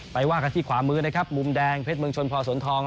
ว่ากันที่ขวามือนะครับมุมแดงเพชรเมืองชนพอสนทอง